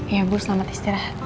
iya ibu selamat istirahat